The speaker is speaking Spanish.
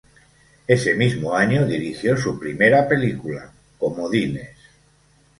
Ese mismo año dirigió su primera película, "Comodines".